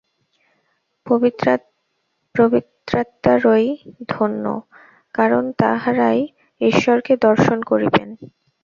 পবিত্রাত্মারাই ধন্য, কারণ তাঁহারাই ঈশ্বরকে দর্শন করিবেন।